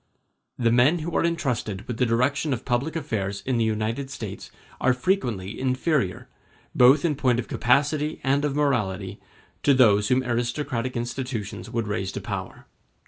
The men who are entrusted with the direction of public affairs in the United States are frequently inferior, both in point of capacity and of morality, to those whom aristocratic institutions would raise to power.